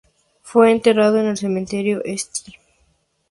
Fue enterrado en el Cementerio St.